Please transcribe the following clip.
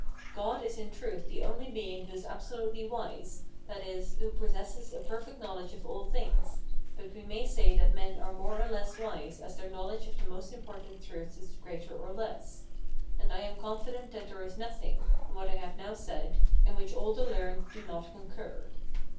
God is in truth the only being who is absolutely wise, that is, who possesses a perfect knowledge of all things; but we may say that men are more or less wise as their knowledge of the most important truths is greater or less. And I am confident that there is nothing, in what I have now said, in which all the learned do not concur.